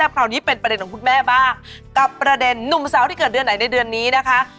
คราวนี้เป็นประเด็นของคุณแม่บ้างกับประเด็นหนุ่มสาวที่เกิดเดือนไหนในเดือนนี้นะคะ